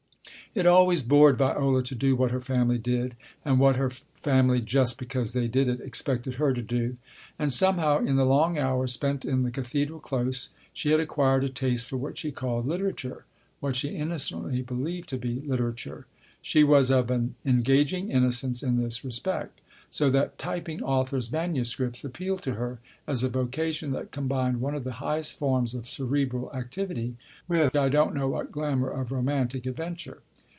It always bored Viola to do what her family did, and what her family, just because they did it, expected her to do. And somehow, in the long hours spent in the Cathedral Close, she had acquired a taste for what she called " literature," what she innocently believed to be literature. She was of an engaging inno cence in this respect ; so that typing authors' manuscripts appealed to her as a vocation that combined one of the highest forms of cerebral activity with I don't know what glamour of romantic adventure.